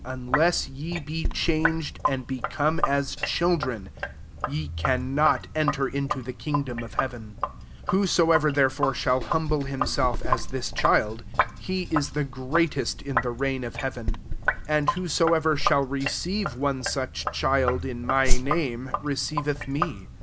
Unless ye be changed, and be come as children, ye cannot en ter into the kingdom of heaven. 4 Whosoever, therefore, shall humble himself as this child, he is the greatest in the reiga of heaven. 5 And whosoever shall receive one such child, in my name, receiveth me.